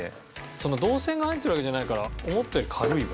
導線が入ってるわけじゃないから思ったより軽いわ。